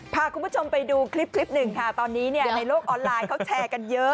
พาคุณผู้ชมไปดูคลิปคลิปหนึ่งค่ะตอนนี้เนี่ยในโลกออนไลน์เขาแชร์กันเยอะ